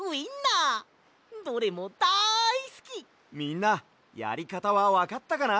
みんなやりかたはわかったかな？